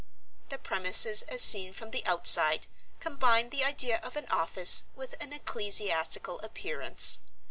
The premises as seen from the outside combined the idea of an office with an ecclesiastical appearance.